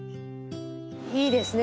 いいですね。